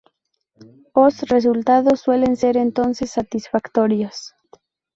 os resultados suelen ser entonces satisfactorios.